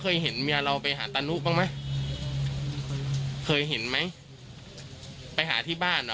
เขาเรียกไปทำอะไรฮะที่ตอน